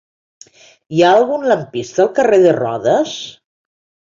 Hi ha algun lampista al carrer de Rodes?